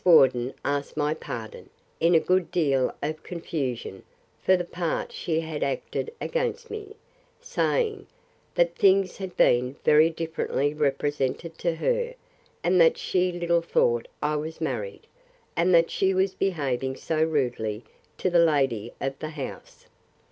Worden asked my pardon, in a good deal of confusion, for the part she had acted against me; saying, That things had been very differently represented to her; and that she little thought I was married, and that she was behaving so rudely to the lady of the house.